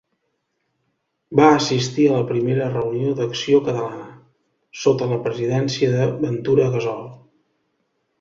Va assistir a la primera reunió d'Acció Catalana, sota la presidència de Ventura Gassol.